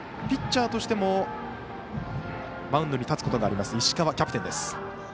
ピッチャーとしてもマウンドに立つことがあります石川、キャプテンです。